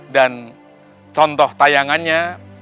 dan contoh tayangannya